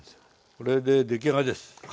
これで出来上がりです！